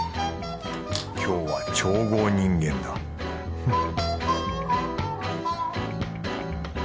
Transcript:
今日は調合人間だフッ